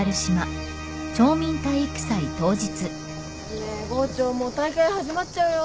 ねえ郷長もう大会始まっちゃうよ。